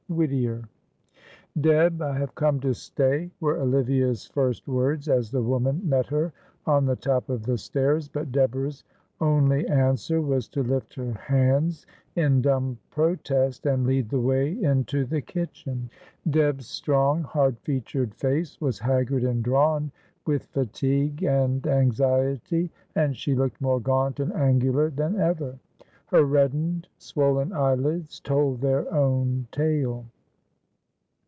Whittier. "Deb, I have come to stay," were Olivia's first words, as the woman met her on the top of the stairs; but Deborah's only answer was to lift her hands in dumb protest and lead the way into the kitchen. Deb's strong, hard featured face was haggard and drawn with fatigue and anxiety, and she looked more gaunt and angular than ever: her reddened, swollen eyelids told their own tale.